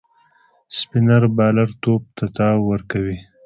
سپينر بالر توپ ته تاو ورکوي.